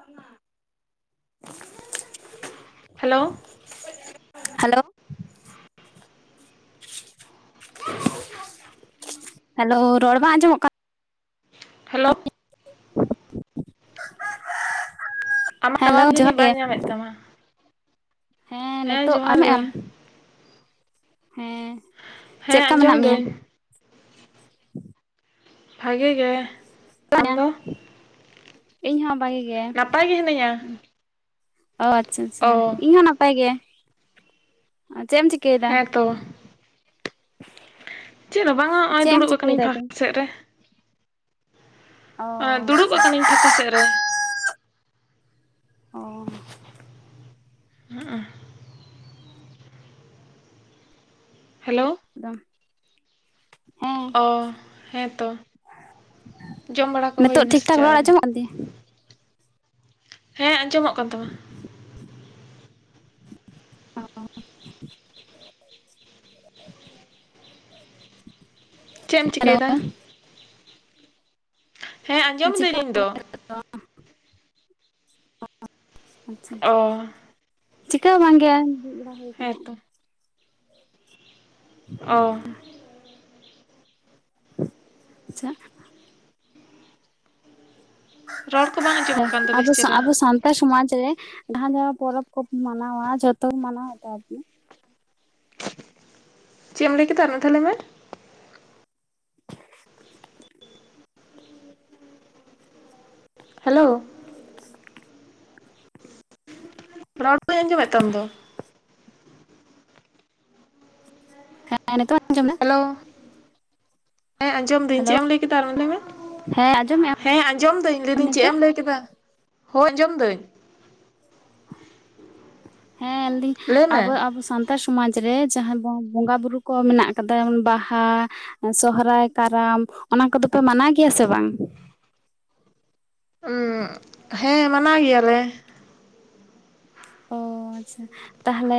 ᱚᱱᱟ hello hello hello ᱨᱚᱲ ᱵᱟᱝ ᱟᱸᱡᱚᱢᱚᱜ ᱠᱟᱱᱟ, ᱾ ᱦᱮᱞᱳ ᱟᱢᱟᱜ ᱦᱮᱞᱳ ᱴᱟᱣᱟᱨ ᱡᱚᱦᱟᱨ ᱡᱟᱹᱱᱤᱡ ᱜᱮ ᱵᱟᱭ ᱧᱟᱢᱮᱫ ᱛᱟᱢᱟ ᱾ ᱦᱮᱸ ᱱᱤᱛᱳᱜ ᱡᱚᱦᱟᱨ ᱟᱢᱮᱫ ᱜᱮ ᱟᱢ ᱦᱮᱸ ᱪᱮᱫ ᱦᱮᱸ ᱞᱮᱠᱟ ᱢᱮᱱᱟᱜ ᱢᱮᱭᱟ ᱟᱸᱡᱚᱢᱫᱟᱹᱧ ᱵᱷᱟᱜᱮ ᱜᱮ ᱟᱢᱫᱚ? ᱤᱧ ᱦᱚᱸ ᱵᱷᱟᱜᱤ ᱜᱮ, ᱱᱟᱯᱟᱭ ᱜᱮ ᱦᱤᱱᱟᱹᱧᱟ ᱚ ᱟᱪᱷᱟ ᱟᱪᱷᱟ ᱚ ᱤᱧ ᱦᱚᱸ ᱱᱟᱯᱟᱭ ᱜᱮ ᱪᱮᱫ ᱮᱢ ᱪᱤᱠᱟᱹ᱾ ᱦᱮᱸ ᱛᱚ ᱾ ᱪᱮᱫ ᱦᱚᱸ ᱵᱟᱝᱟ ᱦᱚᱜ-ᱚᱭ ᱪᱮᱫ ᱮᱢ ᱫᱩᱲᱩᱵ ᱟᱠᱟᱱᱟᱹᱧ ᱪᱤᱠᱟᱹᱭᱮᱫᱟ ᱛᱚ ᱯᱷᱟᱠ ᱥᱮᱫ ᱨᱮ ᱚ ᱫᱩᱲᱩᱵ ᱟᱪᱪᱷᱟ ᱠᱟᱱᱟᱹᱧ ᱯᱷᱟᱠᱟ ᱥᱮᱫ ᱨᱮ ᱚᱸᱻ᱾ ᱦᱚᱜ-ᱚ ᱦᱮᱞᱳ ᱮᱠᱫᱚᱢ ᱦᱮᱸ ᱚ ᱦᱮᱸ ᱛᱚ ᱡᱚᱢ ᱵᱟᱲᱟ ᱠᱚ ᱱᱤᱛᱚᱜ ᱦᱩᱭᱱᱟ ᱴᱷᱤᱠ ᱥᱮ ᱴᱷᱟᱠ ᱪᱮᱫ ᱨᱚᱲ ᱟᱹᱶᱨᱤ? ᱟᱸᱡᱚᱢᱚᱜ ᱠᱟᱱ ᱛᱤᱧᱟᱹ ᱦᱮᱸ ᱟᱡᱚᱢᱚᱜ ᱠᱟᱱ ᱛᱟᱢᱟ ᱾ ᱚ [inaudible] [inaudible] ᱪᱮ ᱮᱢ ᱦᱮᱞᱳ ᱪᱤᱠᱟᱹᱭ ᱫᱟ ᱦᱮᱸ ᱟᱸᱡᱚᱢ ᱪᱤᱠᱟᱹ ᱫᱟᱹᱧ [inaudible] ᱤᱧ ᱫᱚ ᱟᱪᱷᱟ ᱚ ᱪᱤᱠᱟᱹ ᱦᱚᱸ ᱵᱟᱝᱜᱮ ᱫᱩᱲᱩᱵ ᱵᱟᱲᱟ ᱾ ᱦᱮ ᱛᱚ ᱚ ᱻ᱾ ᱦᱚᱸᱜᱼᱚᱭ᱾ ᱟᱪᱷᱟ ᱾ ᱨᱚᱲ ᱠᱚ ᱵᱟᱝ ᱟᱸᱡᱚᱢᱚᱜ ᱠᱟᱱ ᱫᱚ ᱵᱮᱥ ᱟᱵᱚ ᱥᱟᱸ ᱪᱮᱨᱦᱟ ᱟᱵᱚ ᱥᱟᱱ ᱥᱚᱢᱟᱡ ᱨᱮ ᱡᱟᱦᱟᱸ ᱡᱟᱦᱟ‌ᱸ ᱯᱚᱨᱚᱵᱽ ᱠᱚ ᱢᱟᱱᱟᱣᱟ ᱡᱷᱚᱛᱚ ᱢᱟᱱᱟᱣ ᱟᱠᱟ-ᱟ ᱟᱨᱠᱤ? ᱪᱮᱫ ᱮᱢ ᱞᱟᱹᱭ ᱠᱮᱫᱟ ᱟᱨ ᱢᱤᱫᱫᱷᱟᱣ ᱞᱟᱹᱭ ᱢᱮ [inaudible] ᱦᱮᱞᱳ ᱾ ᱨᱚᱲ ᱵᱟᱹᱧ ᱟᱡᱚᱢᱮᱫ ᱛᱟᱢ ᱫᱚ ᱦᱮᱸ ᱱᱤᱛᱚᱜ ᱟᱡᱚᱢ ᱱᱟ ᱦᱮᱞᱳ ᱦᱮᱸ ᱟᱸᱡᱚᱢ ᱫᱟᱹᱧ ᱪᱮᱫ ᱦᱮᱞᱳ ᱮᱢ ᱞᱟᱹᱭ ᱠᱮᱫᱟ ᱟᱨᱦᱚᱸ ᱞᱟᱹᱭ ᱢᱮ ᱦᱮᱸ ᱟᱸᱡᱚᱢᱮᱫ ᱦᱮᱸ ᱟᱸᱡᱚᱢ ᱫᱟᱹᱧ ᱟᱢ ᱞᱟᱹᱭᱫᱟᱹᱧ ᱪᱮᱫ ᱱᱤᱛᱚᱜ ᱮᱢ ᱞᱟᱹᱭ ᱠᱮᱫᱟ ᱦᱳᱭ ᱟᱸᱡᱚᱢ ᱫᱟᱹᱧ ᱦᱮᱸ [unintelligible] ᱞᱟᱹᱭ ᱢᱮ ᱟᱵᱚ ᱟᱵᱚ ᱥᱟᱱᱛ ᱥᱟᱱᱛᱟᱲ ᱥᱚᱢᱟᱡᱽ ᱨᱮ ᱡᱟᱦᱟᱸᱭ ᱵᱚᱸᱜᱟ ᱵᱩᱨᱩ ᱠᱚ ᱢᱮᱱᱟᱜ ᱠᱟᱫᱟ ᱵᱟᱦᱟ ᱾ ᱥᱚᱦᱨᱟᱭ ᱠᱟᱨᱟᱢ ᱚᱱᱟ ᱠᱚᱫᱚ ᱯᱮ ᱢᱟᱱᱟᱣ ᱜᱮᱭᱟ ᱥᱮ ᱵᱟᱝ? ᱦᱮ ᱢᱟᱱᱟ ᱜᱮᱭᱟᱞᱮ ᱾ ᱚ ᱟᱪᱷᱟ ᱛᱟᱦᱚᱞᱮ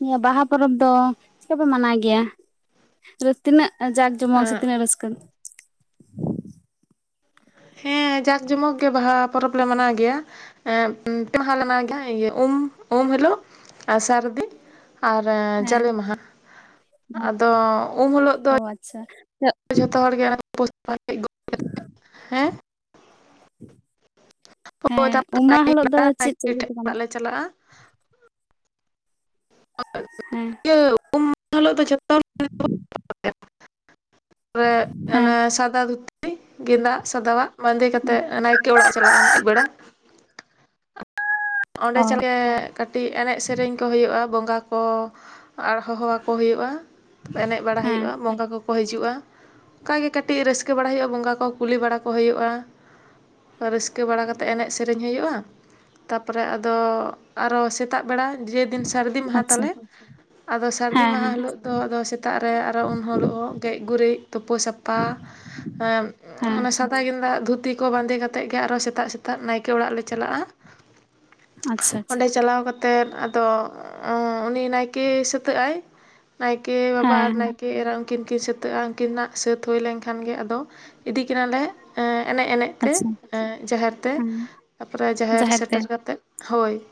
ᱱᱤᱭᱟᱹ ᱵᱟᱦᱟ ᱯᱚᱨᱚᱵᱽ ᱫᱚ ᱪᱤᱠᱟᱯᱮ ᱢᱟᱱᱟᱣ ᱜᱮᱭᱟ ᱛᱤᱱᱟᱹᱜ ᱡᱟᱠ ᱡᱚᱢᱚᱜ ᱥᱮ ᱛᱤᱱᱟᱹᱜ ᱨᱟᱹᱥᱠᱟᱹ ᱦᱮᱸ ᱡᱟᱠ ᱡᱚᱢᱚᱠ ᱜᱮ ᱵᱟᱦᱟ ᱯᱚᱨᱚᱵᱽ ᱞᱮ ᱢᱟᱱᱟᱣ ᱜᱮᱭᱟ ᱮ ᱯᱮ ᱢᱟᱦᱟ ᱞᱮ ᱢᱟᱱᱟᱣ ᱜᱮᱭᱟ ᱩᱢ ᱩᱢ ᱦᱤᱞᱳᱜ ᱟᱨ ᱥᱟᱨᱫᱤ ᱟᱨ ᱦᱮᱸ ᱡᱟᱞᱮ ᱢᱟᱦᱟ ᱟᱫᱚ ᱩᱢ ᱦᱤᱞᱳᱜ ᱫᱚ ᱚ ᱟᱪᱪᱷᱟ ᱡᱚᱛᱚ ᱦᱚᱲ ᱜᱮ [unintelligible] ᱦᱳᱭ ᱦᱮᱸ ᱩᱢ [unintelligible] ᱴᱷᱮᱡ ᱢᱟᱦᱟ ᱦᱤᱞᱳᱜ ᱫᱚ ᱚᱲᱟᱜ ᱪᱮᱫ ᱪᱮᱫ ᱠᱚᱯᱮ ᱠᱟᱹᱢᱤ ᱞᱮ ᱪᱟᱞᱟᱜ-ᱟ ᱦᱮᱸ [unintelligible] ᱦᱮᱸ ᱚᱱᱮ ᱥᱟᱫᱟ ᱫᱷᱩᱛᱤ ᱜᱮᱸᱫᱟᱜ ᱥᱟᱫᱟᱣᱟᱜ ᱵᱟᱸᱫᱮ ᱠᱟᱛᱮᱫ ᱱᱟᱭᱠᱮ ᱚᱲᱟᱜ ᱪᱟᱞᱟᱜ-ᱟ ᱟᱹᱭᱩᱵ ᱵᱮᱲᱟ ᱚᱸᱰᱮ ᱚ [unintelligible] ᱠᱟᱹᱴᱤᱡ ᱮᱱᱮᱡ ᱥᱮᱨᱮᱧ ᱠᱚ ᱦᱩᱭᱩᱜ-ᱟ ᱵᱚᱸᱜᱟ ᱠᱚ ᱟᱨ ᱦᱚᱦᱚᱣᱟᱠᱚ ᱦᱩᱭᱩᱜ-ᱟ ᱮᱱᱮᱡ ᱵᱟᱲᱟ ᱦᱮᱸ ᱦᱩᱭᱩᱜ-ᱟ ᱵᱚᱸᱜᱟ ᱠᱚ ᱠᱚ ᱦᱤᱡᱩᱜ-ᱟ ᱚᱱᱠᱟᱜᱮ ᱠᱟᱹᱴᱤᱡ ᱨᱟᱹᱥᱠᱟᱹ ᱵᱟᱲᱟ ᱦᱩᱭᱩᱜ-ᱟ ᱵᱚᱸᱜᱟ ᱠᱚ ᱠᱩᱞᱤ ᱵᱟᱲᱟ ᱠᱚ ᱦᱩᱭᱩᱜ-ᱟ ᱨᱟᱹᱥᱠᱟᱹ ᱵᱟᱲᱟ ᱠᱟᱛᱮ ᱮᱱᱮᱡ ᱥᱮᱨᱮᱧ ᱦᱩᱭᱩᱜ-ᱟ ᱛᱟᱨᱯᱚᱨᱮ ᱟᱫᱚ ᱟᱨᱚ ᱥᱮᱛᱟᱜ ᱵᱮᱲᱟ ᱡᱮᱫᱤᱱ ᱥᱟᱹᱨᱫᱤ ᱢᱟᱦᱟ ᱟᱪᱪᱷᱟ ᱛᱟᱞᱮ ᱟᱫᱚ ᱥᱟᱹᱨᱫᱤ ᱢᱟᱦᱟ ᱦᱮᱸ ᱦᱤᱞᱳᱜ ᱫᱚ ᱟᱫᱚ ᱥᱮᱛᱟᱜ ᱨᱮ ᱟᱨ ᱦᱚᱸ ᱩᱱ ᱦᱤᱞᱳᱜ ᱦᱚᱸ ᱜᱮᱡ ᱜᱩᱨᱤᱡ ᱛᱩᱯᱩ ᱥᱟᱯᱷᱟ᱾ ᱦᱮᱸ ᱦᱮᱸ ᱚᱱᱟ ᱦᱮᱸ ᱥᱟᱫᱟ ᱜᱮᱸᱫᱟᱜ ᱫᱷᱩᱛᱤ ᱠᱚ ᱵᱟᱸᱫᱮ ᱠᱟᱛᱮ ᱟᱛᱮᱫ ᱜᱮ ᱟᱨ ᱦᱚᱸ ᱥᱮᱛᱟᱜ ᱥᱮᱛᱟᱜ ᱱᱟᱭᱠᱮ ᱚᱲᱟᱜ ᱞᱮ ᱪᱟᱞᱟᱜᱼᱟ᱾ ᱟᱪᱪᱷᱟ ᱟᱪᱪᱷᱟ ᱚᱸᱰᱮ ᱪᱟᱞᱟᱣ ᱠᱟᱛᱮᱫ ᱟᱫᱚ ᱩᱱᱤ ᱱᱟᱭᱠᱮ ᱥᱟᱹᱛᱟᱹᱜ ᱟᱭ ᱱᱟᱭᱠᱮ ᱵᱟᱵᱟ ᱟᱨ ᱦᱮᱸ ᱱᱟᱭᱠᱮ ᱮᱨᱟ ᱩᱱᱠᱤᱱ ᱠᱤᱱ ᱥᱟᱹᱛᱟᱹᱜᱼᱟ ᱩᱱᱠᱤᱱᱟᱜ ᱥᱟᱹᱛ ᱦᱩᱭ ᱞᱮᱱᱠᱷᱟᱱ ᱜᱮ ᱟᱫᱚ ᱤᱫᱤ ᱠᱤᱱᱟᱞᱮ ᱮᱱᱮᱡ ᱮᱱᱮᱡ ᱛᱮ ᱟᱪᱪᱷᱟ ᱡᱟᱦᱮᱨ ᱛᱮ ᱦᱮᱸ ᱛᱟᱯᱚᱨᱮ ᱡᱟᱦᱮᱨ ᱥᱮᱴᱮᱨ ᱠᱟᱛᱮᱫ ᱦᱳᱭ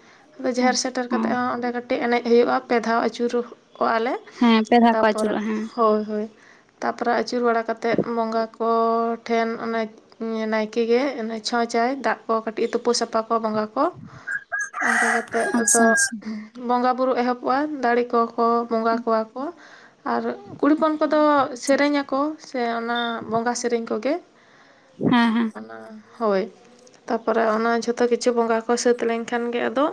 ᱟᱫᱚ ᱡᱟᱦᱮᱨ ᱥᱮᱴᱮᱨ ᱚ ᱠᱟᱛᱮ ᱦᱚᱸ ᱚᱸᱰᱮ ᱠᱟᱹᱴᱤᱡ ᱠᱟᱹᱴᱤᱡ ᱮᱱᱮᱡ ᱦᱩᱭᱩᱜᱼᱟ ᱯᱮ ᱫᱷᱟᱣ ᱟᱹᱪᱩᱨ ᱠᱚᱜᱼᱟ ᱞᱮ ᱦᱮᱸ ᱯᱮ ᱫᱷᱟᱣ ᱠᱚ ᱛᱟᱯᱚᱨᱮ ᱟᱹᱪᱩᱨᱚᱜᱼᱟ ᱦᱮᱸ ᱦᱳᱭ ᱦᱳᱭ ᱛᱟᱨᱯᱚᱨᱮ ᱟᱹᱪᱩᱨ ᱵᱟᱲᱟ ᱠᱟᱛᱮᱫ ᱵᱚᱸᱜᱟ ᱠᱚ ᱴᱷᱮᱱ ᱚᱱᱮ ᱦᱩᱸ ᱱᱟᱭᱠᱮ ᱜᱮ ᱪᱷᱚᱸᱪᱟᱭ ᱫᱟᱜ ᱠᱚ ᱠᱟᱹᱴᱤᱡ ᱛᱩᱯᱩ ᱥᱟᱯᱟ ᱠᱚ ᱵᱚᱸᱜᱟ ᱠᱚ ᱚᱱᱠᱟ ᱠᱟᱛᱮᱫ ᱟᱪᱪᱷᱟ ᱟᱫᱚ ᱟᱪᱪᱷᱟ ᱵᱚᱸᱜᱟᱼ ᱵᱳᱨᱳ ᱮᱦᱚᱵᱚᱜᱼᱟ ᱫᱟᱬᱮ ᱠᱚᱠᱚ ᱵᱚᱸᱜᱟ ᱠᱚᱣᱟ ᱠᱚ᱾ ᱟᱨ ᱠᱩᱲᱤ ᱦᱚᱯᱚᱱ ᱠᱚᱫᱚ ᱥᱮᱨᱮᱧᱟᱠᱚ ᱥᱮ ᱚᱱᱟ ᱵᱚᱸᱜᱟ ᱥᱮᱨᱮᱧ ᱠᱚᱜᱮ ᱦᱮᱸ ᱦᱮᱸ ᱚᱱᱟ ᱦᱳᱭ ᱛᱟᱯᱚᱨᱮ ᱚᱱᱟ ᱡᱷᱚᱛᱚ ᱛᱚ ᱠᱤᱪᱷᱩ ᱵᱚᱸᱜᱟ ᱠᱚ ᱥᱟᱹᱛ ᱞᱮᱱᱠᱷᱟᱱ ᱜᱮ ᱟᱫᱚ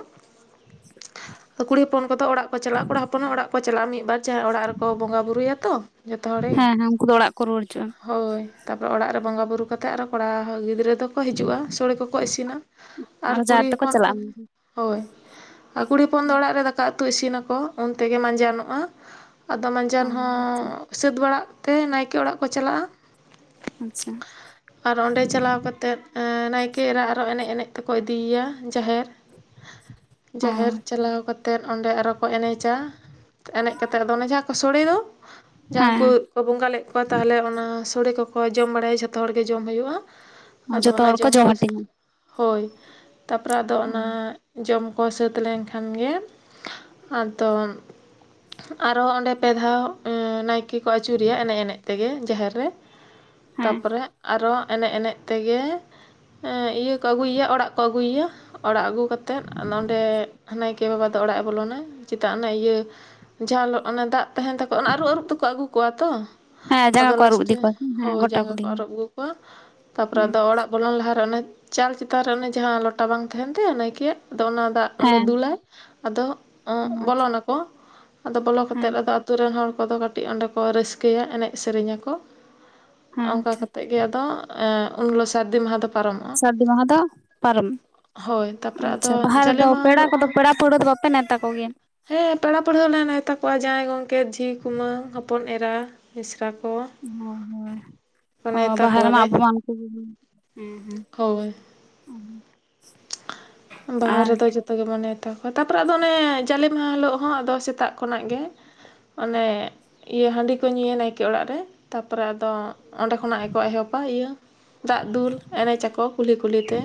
ᱠᱩᱲᱤ ᱦᱚᱯᱚᱱ ᱠᱚᱫᱚ ᱚᱲᱟᱜ ᱠᱚ ᱪᱟᱞᱟᱜᱼᱟ ᱠᱚᱲᱟ ᱦᱚᱯᱚᱱ ᱦᱚᱸ ᱚᱲᱟᱜ ᱠᱚ ᱪᱟᱞᱟᱜᱼᱟ ᱢᱤᱫ ᱵᱟᱨ ᱚᱲᱟᱜ ᱨᱮᱠᱚ ᱵᱚᱸᱜᱟ ᱵᱩᱨᱩᱭᱟ ᱛᱚ ᱡᱚᱛᱚ ᱦᱚᱲᱮ᱾ ᱦᱮᱸ ᱦᱮᱸ ᱩᱱᱠᱩ ᱫᱚ ᱚᱲᱟᱜ ᱠᱚ ᱨᱩᱣᱟᱹᱲ ᱦᱤᱡᱩᱜᱼᱟ ᱦᱳᱭ ᱛᱟᱯᱚᱨᱮ ᱚᱲᱟᱜ ᱨᱮ ᱵᱚᱸᱜᱟ ᱵᱩᱨᱩ ᱠᱟᱛᱮᱜ ᱟᱨᱦᱚ ᱠᱚᱲᱟ ᱜᱤᱫᱽᱨᱟᱹ ᱫᱚᱠᱚ ᱦᱤᱡᱩᱜᱼᱟ ᱥᱳᱲᱮ ᱠᱚᱠᱚ ᱤᱥᱤᱱᱟ᱾ ᱟᱨ ᱠᱩᱲᱤ ᱡᱟᱦᱮᱨ ᱛᱮᱠᱚ ᱦᱚᱯᱚᱱ ᱠᱚ ᱪᱟᱞᱟᱜᱼᱟ ᱦᱳᱭ ᱟᱨ ᱠᱩᱲᱤ ᱦᱚᱯᱚᱱ ᱫᱚ ᱚᱲᱟᱜ ᱨᱮ ᱫᱟᱠᱟ ᱩᱛᱩ ᱤᱥᱤᱱᱟᱠᱚ ᱩᱱ ᱛᱮᱜᱮ ᱢᱟᱸᱡᱟᱱᱚᱜᱼᱟ᱾ ᱟᱫᱚ ᱚ ᱢᱟᱡᱟᱱ ᱦᱚᱸ ᱥᱟᱹᱛ ᱵᱟᱲᱟᱜ ᱛᱮ ᱱᱟᱭᱠᱮ ᱚᱲᱟᱜ ᱠᱚ ᱪᱟᱞᱟᱜᱼᱟ᱾ [unintelligible] ᱟᱨ ᱚᱸᱰᱮ ᱪᱟᱞᱟᱣ ᱠᱟᱛᱮ ᱱᱟᱭᱠᱮ ᱮᱨᱟ ᱟᱨ ᱦᱚᱸ ᱮᱱᱮᱡ ᱮᱱᱮᱡ ᱛᱮᱠᱚ ᱤᱫᱤᱭᱮᱭᱟ ᱡᱟᱦᱮᱨ᱾ ᱚ ᱡᱟᱦᱮᱨ ᱪᱟᱞᱟᱣ ᱠᱟᱛᱮ ᱛᱮᱱ ᱚᱸᱰᱮ ᱟᱨ ᱦᱚᱸ ᱠᱚ ᱮᱱᱮᱡᱟ ᱮᱱᱮᱡ ᱠᱟᱛᱮ ᱟᱫᱚ ᱚᱱᱮ ᱡᱟᱦᱟᱸ ᱠᱚ ᱥᱳᱲᱮ ᱫᱚ [unintelligible] ᱡᱟᱦᱟᱸᱭ ᱦᱮᱸ ᱩᱱᱠᱩ ᱠᱚ ᱵᱚᱸᱜᱟ ᱞᱮᱫ ᱠᱚᱣᱟ ᱛᱟᱦᱚᱞᱮ ᱚᱱᱟ ᱥᱳᱲᱮ ᱠᱚᱠᱚ ᱡᱚᱢ ᱵᱟᱲᱟᱭᱟ ᱡᱷᱚᱛᱚ ᱦᱚᱲᱜᱮ ᱡᱚᱢ ᱦᱩᱭᱩᱜᱼᱟ᱾ ᱟᱫᱚ ᱡᱚᱛᱚ ᱚᱱᱟ ᱦᱚᱲ ᱡᱚᱢ ᱠᱚ ᱦᱟᱹᱴᱤᱧᱟ [unintelligible] ᱦᱳᱭ ᱛᱟᱯᱚᱨᱮ ᱟᱫᱚ ᱚᱱᱟ ᱡᱚᱢ ᱠᱚ ᱥᱟᱹᱛ ᱞᱮᱱᱠᱷᱟᱱ ᱜᱮ ᱟᱫᱚ ᱟᱨ ᱦᱚᱸ ᱚᱸᱰᱮ ᱯᱮ ᱫᱷᱟᱣ ᱱᱟᱭᱠᱮ ᱠᱚ ᱟᱹᱪᱩᱨᱮᱭᱟ ᱮᱱᱮᱡ ᱮᱱᱮᱡ ᱛᱮᱜᱮ ᱡᱟᱦᱮᱨ ᱨᱮ᱾ ᱦᱮᱸ ᱛᱟᱯᱚᱨᱮ ᱟᱨᱚ ᱮᱱᱮᱡ ᱮᱱᱮᱡ ᱛᱮᱜᱮ ᱤᱭᱟᱹ ᱾ ᱚᱲᱟᱜ ᱠᱚ ᱟᱹᱜᱩᱭᱮᱭᱟ ᱚᱲᱟᱜ ᱟᱹᱜᱩ ᱠᱟᱛᱮ ᱚᱸᱰᱮ ᱱᱟᱭᱠᱮ ᱾ ᱱᱟᱩᱠᱮ ᱵᱟᱵᱟ ᱫᱚ ᱚᱲᱟᱜᱼ ᱮ ᱵᱚᱞᱚᱱᱟ ᱪᱮᱫᱟᱜ ᱚᱱᱮ ᱤᱭᱟᱹ ᱡᱷᱟᱞ ᱚᱱᱟ ᱫᱟᱜ ᱛᱟᱦᱮᱱ ᱛᱟᱠᱚᱣᱟ ᱚᱱᱟ ᱟᱨᱩᱵ ᱟᱹᱨᱩᱵ ᱛᱮᱠᱚ ᱟᱹᱜᱩ ᱠᱚᱣᱟ ᱛᱚ ᱦᱮᱸ ᱡᱟᱸᱜᱟ ᱟᱫᱚ ᱠᱚ ᱟᱹᱨᱩᱵ ᱞᱟᱥᱴᱮ ᱤᱫᱤ ᱠᱚᱣᱟ ᱦᱮᱸ ᱦᱳᱭ ᱜᱚᱴᱟ ᱡᱟᱸᱜᱟ ᱠᱩᱞᱦᱤ ᱠᱚ ᱦᱮᱸ ᱟᱹᱨᱩᱵ ᱟᱹᱜᱩ ᱠᱚᱣᱟ ᱛᱟᱯᱚᱨᱮ ᱟᱫᱚ ᱚᱲᱟᱜ ᱵᱚᱞᱚᱱ ᱞᱟᱦᱟᱨᱮ ᱚᱱᱮ ᱪᱟᱞ ᱪᱮᱛᱟᱱ ᱨᱮ ᱚᱱᱮ ᱡᱟᱦᱟᱸ ᱞᱚᱴᱟ ᱵᱟᱝ ᱛᱟᱦᱮᱱ ᱛᱟᱭᱟ ᱱᱟᱭᱠᱮᱭᱟᱜ ᱟᱫᱚ ᱚᱱᱟ ᱫᱟᱜ ᱟᱪᱪᱷᱟ ᱚᱸᱰᱮ ᱫᱩᱞᱟᱭ᱾ ᱟᱫᱚ ᱵᱚᱞᱚᱱᱟᱠᱚ ᱟᱫᱚ ᱵᱚᱞᱚ ᱠᱟᱛᱮ ᱦᱮᱸ ᱟᱫᱚ ᱟᱛᱳ ᱨᱮᱱ ᱦᱚᱲ ᱠᱚᱫᱚ ᱾ ᱠᱟᱹᱴᱤᱡ ᱚᱸᱰᱮ ᱠᱚ ᱨᱟᱹᱥᱠᱟᱹᱭᱟ ᱮᱱᱮᱡ ᱥᱮᱨᱮᱧᱟᱠᱚ ᱦᱮᱸ ᱚᱱᱠᱟ ᱟᱪᱪᱷᱟ ᱠᱟᱛᱮ ᱜᱮ ᱟᱫᱚ ᱩᱮᱸ ᱩᱱ ᱦᱤᱞᱳᱜ ᱥᱟᱹᱨᱫᱤ ᱢᱟᱦᱟ ᱫᱚ ᱯᱟᱨᱚᱢᱚᱜᱼᱟ᱾ ᱥᱟᱹᱨᱫᱤ ᱢᱟᱦᱟ ᱫᱚ ᱯᱟᱨᱚᱢ᱾ ᱦᱳᱭ ᱛᱟᱨᱯᱚᱨᱮ ᱟᱫᱚ ᱟᱪᱪᱷᱟ ᱵᱟᱦᱟ ᱡᱟᱞᱮ ᱨᱮᱫᱚ ᱢᱟᱦᱟ ᱯᱮᱲᱟ ᱦᱤᱞᱳᱜ ᱠᱚᱫᱚ ᱦᱚᱸ ᱯᱮᱲᱟ ᱯᱟᱹᱲᱦᱟᱹ ᱠᱚᱫᱚ ᱵᱟᱯᱮ ᱱᱮᱶᱛᱟ ᱠᱚᱜᱮᱭᱟ ᱾ ᱦᱮᱸ ᱯᱮᱲᱟ ᱯᱟᱹᱲᱦᱟᱹ ᱦᱚᱸᱞᱮ ᱱᱮᱛᱟ ᱠᱚᱣᱟ ᱡᱟᱶᱟᱭ ᱜᱚᱝᱠᱮ ᱡᱷᱤ ᱠᱩᱢᱟᱹᱝ ᱦᱚᱯᱚᱱ ᱮᱨᱟ ᱾ ᱢᱤᱥᱨᱟ ᱠᱚ᱾ ᱦᱳᱭ ᱦᱳᱭ ᱱᱮᱣᱛᱟ ᱵᱟᱦᱟ ᱨᱮᱢᱟ ᱠᱚᱣᱟᱞᱮ ᱟᱵᱚ ᱢᱟ ᱩᱱᱠᱩ ᱠᱚ ᱜᱮ ᱦᱮᱸ ᱦᱮᱸ ᱦᱳᱭ [unintelligible] ᱵᱟᱦᱟ ᱟᱨ ᱨᱮᱫᱚ ᱡᱚᱛ ᱡᱚᱛᱚ ᱜᱮᱵᱚᱱ ᱱᱮᱣᱛᱟ ᱠᱚᱣᱟ ᱛᱟᱨᱯᱚᱨᱮ ᱟᱫᱚ ᱚᱱᱮ ᱡᱟᱞᱮ ᱢᱟᱦᱟ ᱦᱤᱞᱳᱜ ᱦᱚᱸ ᱟᱫᱚ ᱥᱮᱛᱟᱜ ᱠᱷᱚᱱᱟᱜ ᱜᱮ ᱚᱱᱮ ᱤᱭᱟᱹ ᱦᱟᱺᱰᱤ ᱠᱚ ᱧᱩᱭᱟ ᱱᱟᱭᱠᱮ ᱚᱲᱟᱜ ᱨᱮ ᱛᱟᱯᱚᱨᱮ ᱟᱫᱚ ᱚᱸᱰᱮ ᱠᱷᱚᱱᱟᱜ ᱜᱮᱠᱚ ᱮᱦᱚᱵᱟ ᱤᱭᱟᱹ ᱫᱟᱜ ᱫᱩᱞ ᱮᱱᱮᱡ ᱟᱠᱚ ᱠᱩᱞᱦᱤ ᱠᱩᱞᱦᱤ ᱛᱮ᱾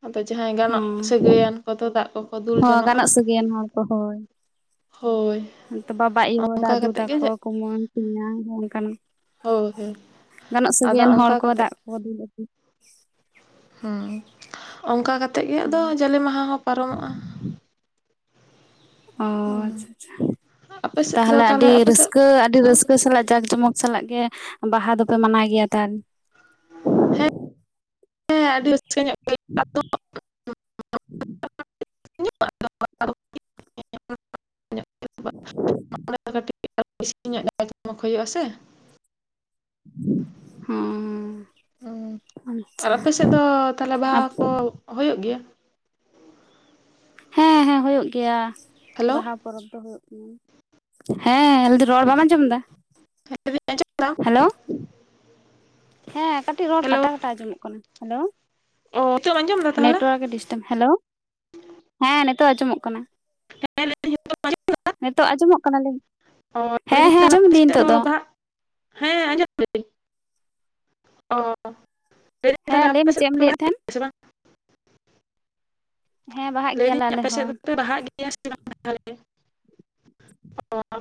ᱟᱫᱚ ᱡᱟᱦᱟᱸᱭ ᱜᱟᱱᱚᱜ ᱦᱮᱸ ᱥᱟᱹᱜᱟᱹᱭᱟᱱ ᱠᱚᱫᱚ ᱫᱟᱜ ᱠᱚᱠᱚ ᱫᱩᱞ ᱦᱚᱸ ᱡᱚᱱᱚᱜᱼᱟ ᱜᱟᱱᱚᱜ ᱥᱟᱹᱭᱟᱱ ᱦᱚᱲ ᱠᱚ ᱦᱳᱭ ᱾ ᱦᱳᱭ ᱵᱟᱵᱟ ᱟᱭᱳ ᱚᱱᱠᱟ ᱫᱟᱫᱩ ᱠᱟᱛᱮᱫ ᱜᱮ ᱛᱟᱠᱚ ᱠᱩᱢᱟᱝ ᱛᱮᱧᱟᱝ ᱦᱚᱸ ᱚᱱᱠᱟᱱ ᱦᱳᱭ ᱦᱳᱭ ᱾ ᱜᱟᱱᱚᱜ ᱟᱫᱚ ᱥᱟᱜᱟᱭᱟᱱ ᱦᱚᱲ ᱚᱱᱠᱟ ᱠᱚ ᱠᱟᱛᱮᱫ ᱫᱟᱜ ᱠᱚ ᱫᱩᱞᱛᱩ ᱾ ᱦᱮᱸ ᱚᱱᱠᱟ ᱠᱟᱛᱮᱜ ᱜᱮ ᱟᱫᱚ ᱡᱟᱞᱮ ᱢᱟᱦᱟ ᱦᱚᱸ ᱯᱟᱨᱚᱢᱚᱜ-ᱟ ᱾ ᱚ ᱟᱪᱪᱷᱟ ᱦᱩᱸ ᱟᱪᱪᱷᱟ ᱟᱯᱮ ᱥᱮᱫ ᱫᱚ ᱛᱟᱦᱚᱞᱮ ᱟᱹᱰᱤ ᱟᱯᱮ ᱥᱮᱫ ᱨᱟᱹᱥᱠᱟᱹ ᱟᱹᱰᱤ ᱨᱟᱹᱥᱠᱟᱹ ᱦᱮᱸ ᱨᱟᱹᱥᱠᱟᱹ ᱥᱟᱞᱟᱜ ᱡᱟᱠ ᱡᱚᱢᱚᱠ ᱥᱟᱞᱟᱜ ᱜᱮ ᱵᱟᱦᱟ ᱫᱚᱯᱮ ᱢᱟᱱᱟᱣ ᱜᱮᱭᱟ ᱛᱟ ᱾ ᱦᱮᱸ ᱦᱮᱸ ᱟᱹᱰᱤ ᱨᱟᱹᱥᱠᱟᱹ ᱧᱚᱜ ᱠᱟᱹᱴᱤᱡ ᱦᱩᱭᱩᱜᱼᱟ ᱥᱮ ᱦᱮᱸ ᱟᱨ ᱟᱯᱮ ᱥᱮᱫ ᱫᱚ ᱛᱟᱦᱚᱞᱮ ᱵᱟᱦᱟ ᱠᱚ ᱦᱩᱭᱩᱜ ᱜᱮᱭᱟ? ᱦᱮᱸ ᱦᱮᱸ ᱦᱩᱭᱩᱜ ᱜᱮᱭᱟ ᱦᱮᱞᱳ ᱵᱟᱦᱟ ᱯᱚᱨᱚᱵᱽ ᱫᱚ ᱦᱩᱭᱩᱜ ᱠᱟᱱᱟ ᱦᱮᱸ ᱞᱟᱹᱭ ᱨᱚᱲ ᱵᱟᱢ ᱟᱸᱡᱚᱢ ᱮᱫᱟ ᱞᱟᱹᱭᱫᱟᱹᱧ ᱟᱸᱡᱚᱢ ᱫᱟᱢ ᱾ ᱦᱮᱞᱳ ᱦᱮᱸ ᱠᱟᱹᱴᱤᱡ ᱨᱚᱲ ᱦᱮᱞᱳ ᱠᱟᱴᱟ ᱠᱟᱴᱟ ᱟᱸᱡᱚᱢᱚᱜ ᱠᱟᱱᱟ ᱾ ᱦᱮᱞᱳ ᱚ ᱱᱤᱛᱚᱜ ᱮᱢ ᱟᱸᱡᱚᱢ ᱮᱫᱟ ᱛᱟᱦᱚᱞᱮ ᱱᱮᱴᱟᱨᱠᱴ ᱦᱮᱞᱳ ᱦᱮᱸ ᱱᱤᱛᱚᱜ ᱟᱸᱡᱚᱢᱚᱜ ᱠᱟᱱᱟ ᱾ ᱦᱮᱸ ᱞᱟᱹᱭ ᱫᱟᱹᱧ ᱟᱸᱡᱚᱢ ᱱᱤᱛᱚᱜ ᱟᱸᱡᱚᱢᱚᱜ ᱠᱟᱱᱟᱞᱤᱧ ᱚ ᱞᱟᱹᱭ ᱫᱟᱹᱧ ᱦᱮᱸ ᱦᱮᱸ ᱛᱟᱦᱚᱞᱮ ᱟᱸᱡᱚᱢ ᱟᱯᱮ ᱫᱤᱧ ᱥᱮᱫ ᱱᱤᱛᱚᱜ ᱫᱚ ᱾ ᱵᱟᱦᱟ ᱦᱮᱸ ᱟᱡᱚᱢ ᱮᱫᱟᱹᱧ ᱦᱮᱸ ᱞᱟᱹᱭ ᱢᱮ ᱪᱮᱫ ᱮᱢ ᱫᱚᱯᱮ ᱞᱟᱹᱭᱮᱫ ᱵᱟᱦᱟᱜ ᱛᱟᱦᱮᱱ ᱜᱮᱭᱟ ᱥᱮ ᱵᱟᱝ? ᱦᱮᱸ ᱵᱟᱦᱟᱜ ᱜᱮᱭᱟᱞᱮ ᱞᱟᱹᱭᱫᱟᱹᱧ ᱟᱞᱮ ᱟᱯᱮ ᱥᱮᱫ ᱦᱚᱸ ᱫᱚᱯᱮ ᱵᱟᱦᱟᱜ ᱜᱮᱭᱟ?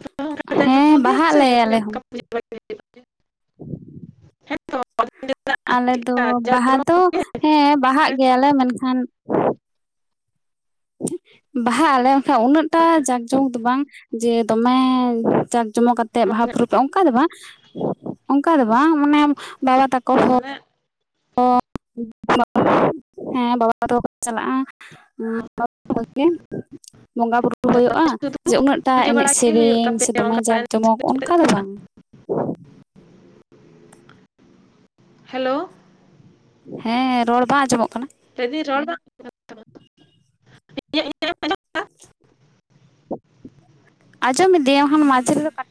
ᱵᱟᱝ ᱛᱟᱦᱞᱮ ᱡᱟᱞ ᱦᱮᱸ ᱡᱚᱢᱚᱠ ᱜᱮ ᱵᱟᱦᱟᱜ ᱥᱮ ᱟᱞᱮ ᱮᱢᱱᱤ ᱟᱞᱮ ᱦᱚᱸ ᱜᱮ ᱢᱟᱱᱟᱣᱟ ᱟᱫᱚᱧ ᱞᱟᱹᱭᱫᱟ ᱟᱞᱮ ᱫᱚ ᱪᱮᱫᱠᱟ ᱡᱟᱸᱠ ᱵᱟᱦᱟ ᱡᱚᱢᱚᱠ ᱫᱚ ᱾ ᱦᱮᱸ ᱵᱟᱦᱟᱜ ᱥᱮ ᱜᱮᱭᱟ ᱞᱮ ᱢᱮᱱᱠᱷᱟᱱ ᱵᱟᱦᱟᱜ ᱟᱞᱮ ᱠᱷᱟᱱ ᱩᱱᱟᱹᱜᱴᱟ ᱡᱟᱠᱡᱳᱢᱚᱠ ᱫᱚ ᱵᱟᱝ ᱡᱮ ᱫᱚᱢᱮ ᱡᱟᱠ ᱡᱚᱢᱚ ᱠᱟᱛᱮᱫ ᱵᱟᱦᱟ ᱯᱚᱨᱚᱵᱵ ᱚᱱᱠᱟ ᱫᱚ ᱵᱟᱝ ᱚᱱᱠᱟ ᱫᱚ ᱵᱟᱝ ᱢᱟᱱᱮ ᱵᱟᱵᱟ ᱛᱟᱠᱚ ᱚ ᱦᱚᱸ ᱾ ᱢᱟᱱᱮ ᱦᱮᱸ ᱵᱟᱵᱟ ᱛᱟᱠᱚᱠᱚ ᱪᱟᱞᱟᱜ-ᱟ ᱦᱮ ᱵᱚᱸᱜᱟ ᱵᱩᱨᱩ ᱦᱩᱭᱩᱜ-ᱟ ᱥᱩᱫᱷᱩ ᱡᱮ ᱩᱱᱟᱹᱜ ᱴᱟ ᱯᱩᱡᱟᱹ ᱮᱱᱮᱡ ᱵᱟᱲᱟᱭ ᱜᱮ ᱦᱩᱭᱩᱜ ᱥᱮᱨᱮᱧ ᱥᱮ ᱛᱟᱯᱮᱭᱟ ᱫᱚᱢᱮ ᱚᱱᱠᱟ ᱡᱟᱠ ᱮᱱᱮᱡ ᱡᱚᱢᱚᱠ ᱥᱮᱨᱮᱧ ᱠᱟᱛᱮᱫ? ᱚᱱᱠᱟ ᱫᱚ ᱵᱟᱝ ᱾ ᱦᱮᱞᱳ ᱾ ᱦᱮᱸ ᱨᱚᱲ ᱵᱟᱝ ᱟᱸᱡᱚᱢᱚᱜ ᱠᱟᱱᱟ? ᱞᱟᱹᱭ ᱮᱫᱟ ᱨᱚᱲ ᱵᱟᱝ ᱠᱟᱱ ᱛᱟᱢᱟ᱾ ᱤᱧᱟᱹᱜ ᱤᱧᱟᱹᱜ ᱮᱢ ᱟᱸᱡᱚᱢ ᱟᱸᱡᱚᱢ ᱮᱫᱤᱧ ᱢᱟᱡᱷᱮ ᱨᱮᱫᱚ ᱠᱟᱴ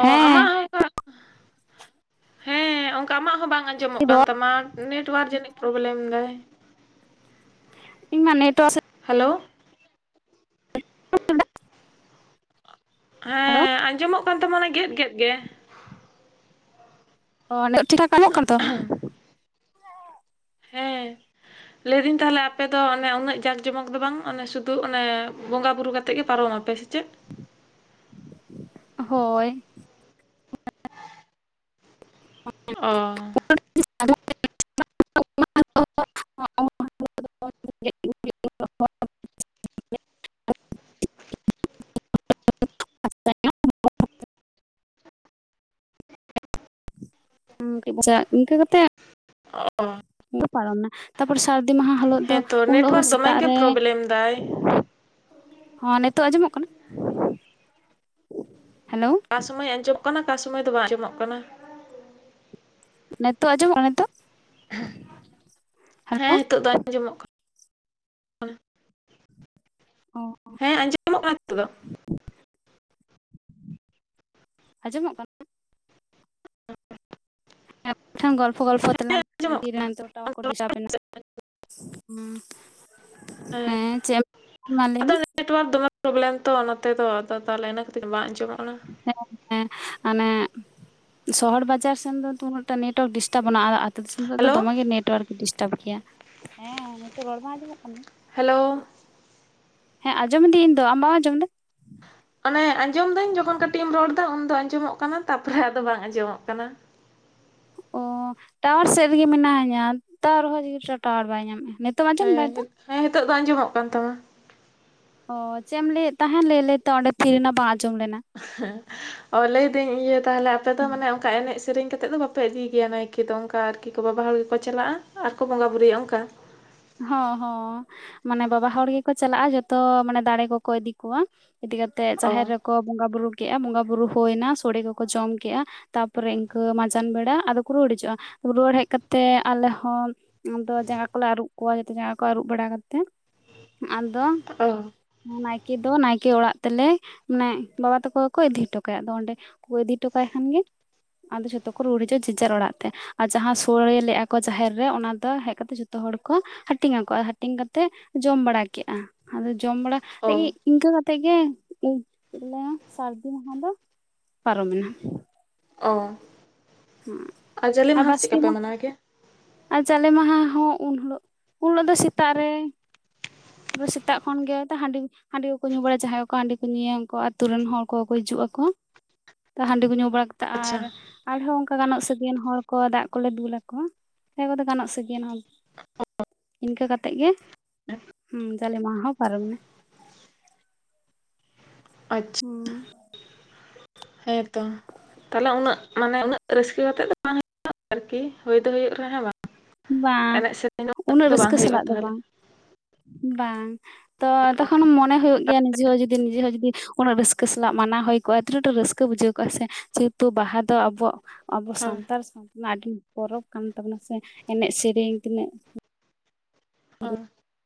ᱚ ᱦᱮᱸ ᱟᱢᱟᱜ [unintelligible] ᱦᱮᱸ ᱚᱱᱠᱟ ᱟᱢᱟᱜ ᱦᱚᱸ ᱵᱟᱝ ᱟᱸᱡᱚᱢᱚᱜ ᱠᱟᱱ ᱨᱚᱲ ᱛᱟᱢᱟ ᱾ ᱱᱮᱴᱣᱟᱨᱠ ᱡᱟᱹᱱᱤᱡ ᱯᱨᱚᱵᱞᱮᱢ ᱫᱟᱭ ᱾ ᱤᱧ ᱢᱟ ᱱᱮᱴᱚᱣᱟᱨᱠ ᱥᱮ ᱦᱮᱞᱳ ᱾ ᱦᱮᱞᱳ ᱦᱮᱸ ᱟᱸᱡᱚᱢᱚᱜ ᱠᱟᱱ ᱛᱟᱢᱟᱱᱟ ᱜᱮᱫ ᱜᱮᱫ ᱜᱮ ᱾ ᱱᱤᱛᱚᱜ ᱴᱷᱤᱠ ᱴᱷᱟᱠ‌ ᱟᱸᱡᱚᱢᱚᱜ ᱠᱟᱱᱟ ᱛᱚ ᱦᱮᱸ᱾ [inaudible] ᱞᱟᱹᱭᱫᱟᱹᱧ ᱛᱟᱦᱚᱞᱮ ᱟᱯᱮᱫᱚ ᱚᱱᱮ ᱩᱱᱟᱹᱜ ᱡᱟᱠ ᱡᱚᱢᱚᱠ ᱫᱚ ᱵᱟᱝ ᱚᱱᱮ ᱥᱩᱫᱩ ᱚᱱᱮ ᱵᱚᱸᱜᱟ ᱵᱩᱨᱩ ᱠᱟᱛᱮᱫ ᱜᱮ ᱯᱟᱨᱚᱢᱟ ᱯᱮ ᱥᱮ ᱪᱮᱫ? ᱦᱳᱭ ᱾ ᱚ ᱾ [unintelligible] [unintelligible] ᱤᱱᱠᱟᱹ ᱵᱚ ᱪᱟᱜ ᱤᱱᱠᱟᱹ ᱠᱟᱛᱮ -ᱼ ᱚ ᱾ ᱯᱟᱨᱚᱢᱱᱟ ᱛᱟᱨᱯᱚᱨᱮ ᱥᱟᱹᱨᱫᱤ ᱢᱟᱦᱟ ᱦᱤᱞᱳᱜ ᱫᱚ ᱦᱮᱸᱛᱚ ᱩᱱ ᱦᱤᱞᱳᱜ ᱦᱚᱸ ᱱᱮᱴᱣᱟᱨᱠ ᱫᱚᱢᱮ ᱥᱮᱛᱟᱜ ᱜᱮ ᱨᱮ ᱯᱨᱚᱵᱞᱮᱢ ᱫᱟᱭ ᱦᱚᱸ ᱱᱤᱛᱚᱜ ᱟᱸᱡᱚᱢᱚᱜ ᱠᱟᱱᱟ? ᱦᱮᱞᱳ ᱚᱠᱟ ᱥᱚᱢᱚᱭ ᱟᱸᱡᱚᱢᱚᱜ ᱠᱟᱱᱟ ᱚᱠᱟ ᱥᱚᱢᱚᱭ ᱫᱚ ᱵᱟᱝ ᱟᱸᱡᱚᱢᱚᱜ ᱠᱟᱱᱟ ᱾ ᱱᱮᱛᱚᱜ ᱟᱸᱡᱚᱢᱚᱜ ᱠᱟᱱᱟ ᱱᱮᱛᱚᱜ? ᱦᱮᱸ ᱦᱮᱞᱳ ᱱᱤᱛᱚᱜ ᱫᱚ ᱟᱸᱡᱚᱢᱚᱜ ᱠᱟ ᱚᱸ ᱾ ᱦᱮᱸ ᱟᱸᱡᱚᱢᱚᱜ ᱠᱟᱱᱟ ᱱᱤᱛᱩᱜ ᱫᱚ ᱾ ᱟᱸᱡᱚᱢᱚᱜ ᱠᱟᱱᱟ ᱾ ᱮᱸ [unintelligible] ᱜᱚᱞᱯᱷᱚ ᱜᱚᱞᱯᱷᱚ ᱦᱮᱸ ᱛᱮᱞᱟᱝ ᱟᱸᱡᱚᱢᱚᱜ [unintelligible] ᱛᱚ ᱴᱟᱣᱚᱨ ᱾ ᱠᱟᱱᱟ ᱠᱚᱰᱤᱥᱟ ᱢᱮᱱᱟᱜ ᱦᱩᱸ, ᱦᱮᱸ ᱪᱮᱜ-ᱮᱢ ᱢᱟ ᱞᱟᱹᱭ ᱟᱫᱚ ᱢᱮ? ᱱᱮᱴᱣᱟᱨᱠ ᱫᱚᱢᱮ ᱯᱨᱚᱵᱮᱞᱮᱢ ᱛᱚ ᱱᱚᱛᱮ ᱫᱚ ᱟᱫᱚ ᱛᱟᱦᱚᱞᱮ ᱤᱱᱟᱹ ᱠᱷᱟᱹᱛᱤᱨ ᱵᱟᱝ ᱟᱸᱡᱚᱢᱚᱜ ᱠᱟᱱᱟ ᱾ ᱦᱮᱸᱻᱚ ᱦᱮᱸ ᱦᱮᱸ ᱢᱟᱱᱮᱜ ᱥᱚᱦᱚᱨ ᱵᱟᱡᱟᱨ ᱥᱮᱱ ᱫᱚ ᱛᱚ ᱩᱱᱟᱹᱜ ᱴᱟ ᱱᱮᱴᱣᱟᱨᱠ ᱰᱤᱥᱴᱟᱯᱵᱟᱱᱩᱜᱼᱟ, ᱟᱨ ᱟᱛᱳ ᱫᱤᱥᱚᱢ ᱨᱮ ᱫᱚ ᱦᱮᱞᱳ ᱫᱚᱢᱮ ᱜᱮ ᱱᱮᱴᱣᱟᱨᱠ ᱰᱤᱥᱴᱟᱯ ᱜᱮᱭᱟ ᱾ ᱦᱮᱸ ᱱᱤᱛᱚᱜ ᱨᱚᱲ ᱵᱟᱝ ᱟᱸᱡᱚᱢᱚᱜ ᱠᱟᱱᱟ? ᱦᱮᱞᱳ ᱦᱮᱸ ᱟᱧᱡᱚᱢ ᱫᱤᱧ ᱤᱧ ᱫᱚ ᱟᱢ ᱵᱟᱢ ᱟᱸᱡᱚᱢ ᱫᱟ? ᱢᱟᱱᱮ ᱟᱸᱡᱚᱢ ᱫᱟᱹᱧ ᱡᱚᱠᱷᱚᱱ ᱠᱟᱹᱴᱤᱡ ᱮᱢ ᱨᱚᱲ ᱫᱟ ᱾ ᱩᱱᱫᱚ ᱟᱸᱡᱚᱢᱚᱜ ᱠᱟᱱᱟ ᱛᱟᱯᱚᱨᱮ ᱟᱫᱚ ᱵᱟᱝ ᱟᱸᱡᱚᱢᱚᱜ ᱠᱟᱱᱟ ᱾ ᱚᱸ ᱴᱟᱣᱟᱨ ᱥᱮᱜ ᱨᱮᱜᱮ ᱢᱮᱱᱟᱧᱟ ᱛᱟᱣ ᱨᱮᱦᱚᱸ ᱪᱮᱠᱟᱛᱮ ᱴᱟᱣᱟᱨ ᱵᱟᱭ ᱧᱟᱢᱮᱜ-ᱟ, ᱱᱤᱛᱚᱜ ᱮᱢ‌ ᱟᱧᱡᱚᱢ ‌ᱫᱟ ᱦᱮᱸ ᱱᱤᱛᱚᱜ? ᱦᱮᱸ ᱱᱤᱛᱚᱜ ᱫᱚ ᱟᱸᱡᱚᱢᱚᱜ ᱠᱟᱱ ᱛᱟᱢᱟ ᱾ ᱚᱸ ᱪᱮᱜ ᱮᱢ ᱞᱟᱹᱭᱮᱜ ᱛᱟᱦᱮᱸᱱ ᱞᱟᱹᱭ ᱞᱟᱹᱭ ᱛᱚ ᱚᱸᱰᱮ ᱛᱷᱤᱨᱱᱮᱟ ᱵᱟᱝ ᱟᱸᱡᱚᱢ ᱞᱮᱱᱟ ᱾ ᱦᱮᱸ ᱚ ᱞᱟᱹᱭ ᱫᱟᱹᱧ ᱤᱭᱟᱹ ᱛᱟᱦᱚᱞᱮ ᱟᱯᱮ ᱫᱚ ᱢᱟᱱᱮ ᱚᱱᱠᱟ ᱮᱱᱮᱡ ᱥᱮᱨᱮᱧ ᱠᱟᱛᱮᱜ ᱫᱚ ᱵᱟᱯᱮ ᱤᱫᱤᱭ ᱜᱮᱭᱟ ᱱᱟᱭ ᱠᱮ ᱫᱚ ᱚᱱᱠᱟ ᱟᱨᱠᱤ ᱠᱚ ᱵᱟᱵᱟ ᱦᱚᱲ ᱜᱮᱠᱚ ᱪᱟᱞᱟᱜᱼᱟ ᱟᱨᱠᱚ ᱵᱚᱸᱜᱟ ᱵᱩᱨᱩᱭᱟ ᱚᱱᱠᱟ ᱾ ᱦᱚᱸ ᱦᱚᱸ᱾ ᱢᱟᱱᱮ ᱵᱟᱵᱟ ᱦᱚᱲ ᱜᱮᱠᱚ ᱪᱟᱞᱟᱜᱼᱟ ᱡᱚᱛᱚ ᱢᱟᱱᱮ ᱫᱟᱬᱮ ᱠᱚᱠᱚ ᱤᱫᱤ ᱠᱚᱣᱟ ᱤᱫᱤ ᱠᱟᱛᱮᱜ ᱚ ᱡᱟᱦᱮᱨ ᱨᱮ ᱠᱚ ᱵᱚᱸᱜᱟ ᱵᱩᱨᱩ ᱠᱮᱜᱼᱟ ᱵᱚᱸᱜᱟ ᱵᱩᱨᱩ ᱦᱳᱭᱱᱟ ᱥᱚᱲᱮ ᱠᱚᱠᱚ ᱡᱚᱢ ᱠᱮᱜᱼᱟ ᱛᱟᱨᱯᱚᱨᱮ ᱤᱱᱠᱟᱹ ᱢᱟᱸᱡᱟᱱ ᱵᱮᱲᱟ ᱟᱫᱚ ᱠᱚ ᱨᱩᱣᱟᱹᱲ ᱦᱤᱡᱩᱜᱼᱟ ᱨᱩᱣᱟᱹᱲ ᱦᱮᱡ ᱠᱟᱛᱮᱜ ᱟᱞᱮ ᱦᱚᱸ ᱟᱫᱚ ᱡᱟᱸᱜᱟ ᱠᱚᱞᱮ ᱟᱨᱩᱵ ᱠᱚᱣᱟ ᱡᱚᱛᱚ ᱡᱟᱸᱜᱟ ᱠᱚ ᱟᱨᱩᱵ ᱵᱟᱲᱟ ᱠᱟᱛᱮᱜ ᱟᱫᱚ ᱚ ᱱᱟᱭᱠᱮ ᱫᱚ ᱱᱟᱭᱠᱮ ᱚᱲᱟᱜ ᱛᱮᱞᱮ ᱢᱟᱱᱮ ᱵᱟᱵᱟ ᱛᱟᱠᱚ ᱜᱮ ᱠᱚ ᱤᱫᱤ ᱦᱚᱴᱚ ᱠᱟᱭᱟ ᱟᱫᱚ ᱚᱸᱰᱮ ᱠᱚ ᱤᱫᱤ ᱦᱚᱴᱚ ᱠᱟᱭ ᱠᱷᱟᱱ ᱜᱮ ᱟᱫᱚ ᱡᱷᱚᱛᱚ ᱠᱚ ᱨᱩᱣᱟᱹᱲ ᱦᱤᱡᱩᱜᱼᱟ ᱡᱮᱡᱟᱨ ᱚᱲᱟᱜ ᱛᱮ ᱾ ᱟᱨ ᱡᱟᱦᱟᱸ ᱥᱳᱲᱮ ᱞᱮᱜᱼᱟ ᱠᱚ ᱡᱟᱦᱮᱨ ᱨᱮ ᱚᱱᱟ ᱫᱚ ᱦᱮᱡ ᱠᱟᱛᱮ ᱡᱚᱛᱚ ᱦᱚᱲ ᱠᱚ ᱦᱟᱹᱴᱤᱧ ᱟᱠᱚᱣᱟ ᱦᱟᱹᱴᱤᱧ ᱠᱟᱛᱮᱜ ᱡᱚᱢ ᱵᱟᱲᱟ ᱠᱮᱜᱼᱟ ᱟᱫᱚ ᱡᱚᱢ ᱵᱟᱲᱟ ᱚ ᱠᱟᱛᱮᱜ ᱤ ᱤᱱᱠᱟᱹ ᱠᱟᱛᱮᱜ ᱜᱮ ᱩᱸ ᱪᱮᱜ ᱠᱚ ᱞᱟᱹᱭᱟ ᱥᱟᱨᱫᱤ ᱢᱟᱦᱟᱸ ᱫᱚ ᱯᱟᱨᱚᱢᱮᱱᱟ᱾ ᱚᱸᱻ ᱦᱮᱸ ᱟᱨ ᱡᱟᱞᱮ ᱢᱟᱦᱟᱸ ᱫᱚ ᱪᱮᱜ ᱵᱟᱥᱠᱮ ᱠᱟᱯᱮ ᱢᱟᱦᱟ ᱢᱟᱱᱟᱣ ᱜᱮᱭᱟ? ᱟᱨ ᱡᱟᱞᱮ ᱢᱟᱦᱟ ᱦᱚᱸ ᱩᱱ ᱦᱤᱞᱳᱜ ᱩᱱ ᱦᱤᱞᱳᱜ ᱫᱚ ᱥᱮᱛᱟᱜ ᱨᱮᱼᱼ ᱯᱩᱨᱟᱹ ᱥᱮᱛᱟᱜ ᱠᱷᱚᱱ ᱜᱮ ᱛᱚ ᱦᱟᱸᱰᱤᱼᱼ ᱦᱟᱸᱰᱤ ᱠᱚᱠᱚ ᱧᱩ ᱵᱟᱲᱟᱭᱟ ᱡᱟᱦᱟᱸᱭ ᱠᱚᱠᱚ ᱦᱟᱸᱰᱤ ᱠᱚ ᱧᱩᱭᱟ ᱩᱱᱠᱩ ᱟᱛᱩ ᱨᱮᱱ ᱦᱚᱲ ᱠᱚᱦᱚᱸᱠᱚ ᱦᱤᱡᱩᱜ-ᱟ ᱠᱚ᱾ ᱛᱚ ᱦᱟᱸᱰᱤ ᱠᱚ ᱧᱩ ᱵᱟᱲᱟ ᱠᱟᱛᱮᱜ ᱟᱪᱪᱷᱟ ᱟᱨ ᱟᱨᱦᱚᱸ ᱚᱱᱠᱟ ᱜᱟᱱᱚᱜ ᱥᱟᱹᱜᱟᱹᱭᱟᱱ ᱦᱚᱲ ᱠᱚ ᱫᱟᱜ ᱠᱚᱞᱮ ᱫᱩᱞᱟ ᱠᱚᱣᱟ᱾ ᱦᱮᱸ ᱩᱱᱠᱚ ᱫᱚ ᱜᱟᱱᱚᱜ ᱥᱟᱹᱜᱟᱹᱭᱟᱱ ᱦᱚᱱᱼᱼ ᱤᱱᱠᱟᱹ ᱠᱟᱛᱮᱜ ᱜᱮ ᱦᱩᱸ ᱡᱟᱞᱮ ᱢᱟᱦᱟᱸ ᱦᱚᱸ ᱯᱟᱨᱚᱢᱱᱟ᱾ ᱟᱪᱪᱷᱼᱼ ᱦᱩᱸᱻ᱾ ᱦᱮᱸ ᱛᱚ ᱛᱟᱦᱚᱞᱮ ᱩᱱᱟᱹᱜ ᱢᱟᱱᱮ ᱩᱱᱟᱹᱜ ᱨᱟᱹᱥᱠᱟᱹ ᱠᱟᱛᱮᱜ ᱫᱚ [inaudible] ᱟᱨᱠᱤ ᱦᱚᱭ ᱫᱚ ᱦᱩᱭᱩᱜ ᱨᱮ ᱦᱚᱸ ᱵᱟᱝ᱾ ᱵᱟᱝ ᱮᱱᱮᱡ ᱥᱮᱨᱮᱧ ᱫᱚ ᱩᱱᱟᱹᱜ ᱫᱚ ᱵᱟᱝ ᱨᱟᱹᱥᱠᱟᱹ ᱦᱩᱭᱩᱜᱼᱟ ᱥᱟᱞᱟᱜ ᱫᱚ ᱛᱟᱦᱚᱞᱮ ᱵᱟᱝ, ᱵᱟᱝ᱾ ᱛᱚ ᱛᱚᱠᱷᱚᱱ ᱢᱚᱱᱮ ᱦᱩᱭᱩᱜ ᱜᱮᱭᱟ ᱱᱤᱡᱮ ᱦᱚᱸ ᱡᱩᱫᱤ ᱱᱤᱡᱮ ᱦᱚᱸ ᱡᱩᱫᱤᱼᱼ ᱩᱱᱟᱹᱜ ᱨᱟᱹᱥᱠᱟᱹ ᱥᱟᱞᱟᱜ ᱢᱟᱱᱟᱣ ᱦᱩᱭ ᱠᱚᱜ-ᱟ ᱛᱤᱱᱟᱹᱜ ᱨᱟᱹᱥᱠᱟᱹ ᱵᱩᱡᱷᱟᱹᱣ ᱠᱚᱜ-ᱟ ᱦᱮᱸ ᱥᱮ ᱡᱮ ᱦᱮᱛᱩ ᱵᱟᱦᱟ ᱫᱚ ᱟᱵᱚᱣᱟᱜᱼᱼ ᱟᱵᱚ ᱦᱳᱭ ᱥᱟᱱᱛᱟᱲ ᱥᱟᱶᱛᱟ ᱨᱮᱱᱟᱜ ᱟᱹᱰᱤ ᱯᱚᱨᱚᱵᱽ ᱠᱟᱱ ᱛᱟᱵᱚᱱᱟ ᱥᱮ ᱮᱱᱮᱡ ᱥᱮᱨᱮᱧ ᱛᱤᱱᱟᱹᱜ ᱩᱸᱼᱼ ᱚᱸᱻ᱾